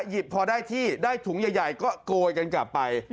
หยิบพอได้ที่ได้ถุงใหญ่ก็โกยกันกลับไป